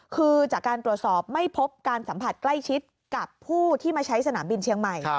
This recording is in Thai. คือจากการตรวจสอบไม่พบการสัมผัสใกล้ชิดกับผู้ที่มาใช้สนามบินเชียงใหม่